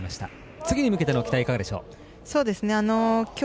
次に向けての期待いかがでしょう。